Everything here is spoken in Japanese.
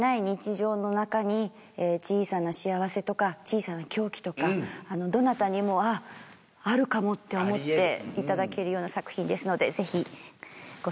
日常の中に小さな幸せとか小さな狂気とかどなたにも「あっあるかも」って思っていただけるような作品ですので。